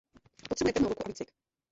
Potřebuje pevnou ruku a výcvik.